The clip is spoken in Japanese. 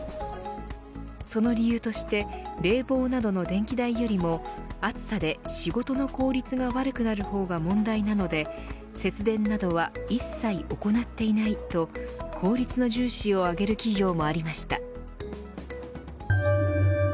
その理由として冷房などの電気代よりも暑さで仕事の効率が悪くなる方が問題なので節電などは一切行っていないと効率の重視を挙げる企業もありました。